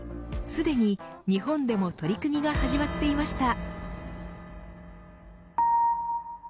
すでに日本でも取り組みが始まっていました。